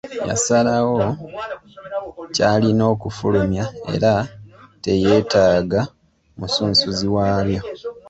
Y'asalawo ky'alina okufulumya era teyeetaaga musunsuzi waabyo.